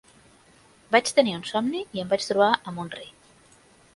Vaig tenir un somni, i em vaig trobar amb un rei.